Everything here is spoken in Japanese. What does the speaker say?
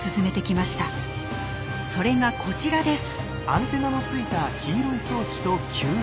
それがこちらです。